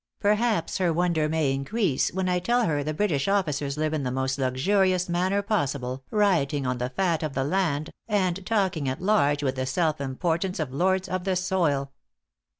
Perhaps her wonder may increase when I tell her the British officers live in the most luxurious manner possible, rioting on the fat of the land, and talking at large with the self importance of lords of the soil."